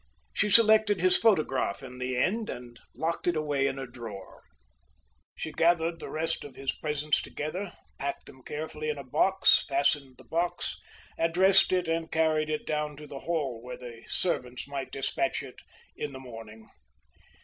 She selected his photograph in the end and locked it away in a drawer. She gathered the rest of his presents together, packed them carefully in a box, fastened the box, addressed it and carried it down to the hall, that the servants might despatch it in the morning.